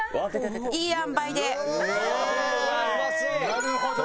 なるほど。